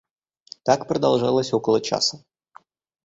Так продолжалось около часа.